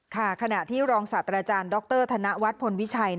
ขณะที่รองศาสตราจารย์ดรธนวัฒน์พลวิชัย